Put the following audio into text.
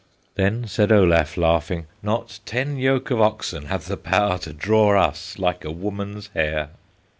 Then said Olaf, laughing, "Not ten yoke of oxen Have the power to draw us Like a woman's hair!